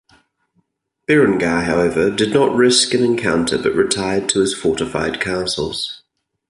Berengar, however, did not risk an encounter, but retired to his fortified castles.